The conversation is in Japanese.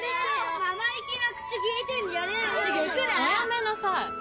おやめなさい。